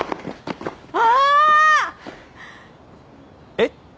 えっ？